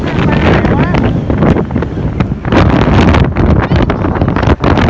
แต่ว่าเมืองนี้ก็ไม่เหมือนกับเมืองอื่น